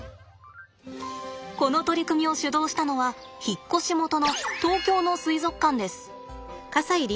この取り組みを主導したのは引っ越し元の東京の水族館です。